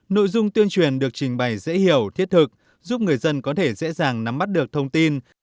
nội dung tuyên truyền được trình bày dễ hiểu thiết thực giúp người dân có thể dễ dàng nắm bắt được thông tin